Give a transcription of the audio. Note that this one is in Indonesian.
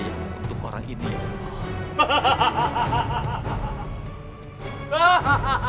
hidayah untuk orang ini ya allah